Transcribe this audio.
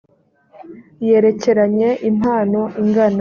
yerekeranye impano ingana